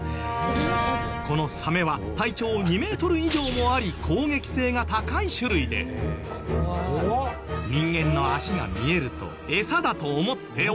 このサメは体長２メートル以上もあり攻撃性が高い種類で人間の足が見えるとエサだと思って襲いかかる事も。